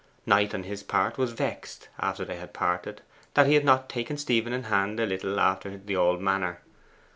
Knight, on his part, was vexed, after they had parted, that he had not taken Stephen in hand a little after the old manner.